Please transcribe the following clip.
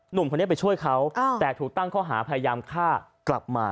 หนุ่มคนนี้ไปช่วยเขาแต่ถูกตั้งข้อหาพยายามฆ่ากลับมา